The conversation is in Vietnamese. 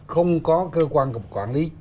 không có cơ quan quản lý